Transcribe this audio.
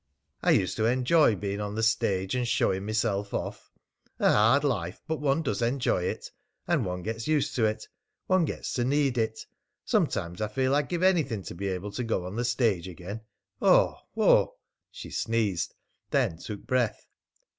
I used to enjoy being on the stage, and showing myself off. A hard life, but one does enjoy it. And one gets used to it. One gets to need it. Sometimes I feel I'd give anything to be able to go on the stage again oh oh !" She sneezed; then took breath.